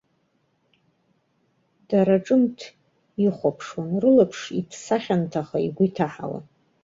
Дара ҿымҭ ихәаԥшуан, рылаԥш иҭса хьанҭаха игәы иҭаҳауан.